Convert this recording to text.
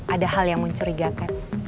ada hal yang mencurigakan